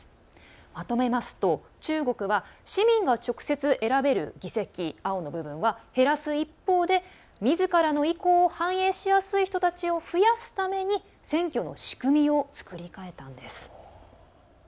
まとめますと、中国は市民が直接選べる議席青の部分は減らす一方で、みずからの意向を反映しやすい人たちを増やすために選挙の仕組みを作り変えたんです。